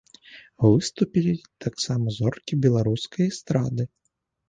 Выступілі таксама зоркі беларускай эстрады.